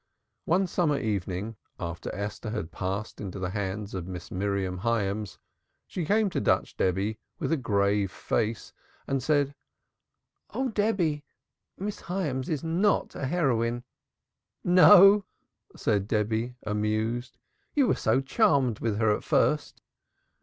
One summer evening after Esther had passed into the hands of Miss Miriam Hyams she came to Dutch Debby with a grave face and said: "Oh, Debby. Miss Hyams is not a heroine." "No?" said Debby, amused. "You were so charmed with her at first."